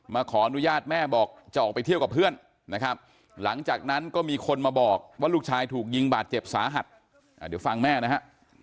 ขออนุญาตแม่บอกจะออกไปเที่ยวกับเพื่อนนะครับหลังจากนั้นก็มีคนมาบอกว่าลูกชายถูกยิงบาดเจ็บสาหัสเดี๋ยวฟังแม่นะฮะ